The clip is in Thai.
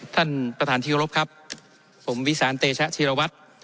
ท่านประธานที่กรบครับผมวิสานเตชะธีรวัตร